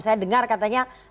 saya dengar katanya